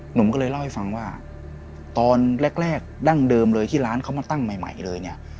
หนุ่มก็เลยเล่าให้ฟังว่าตอนแรกดั้งเดิมเลยที่ร้านเขามาตั้งใหม่เลยเนี่ย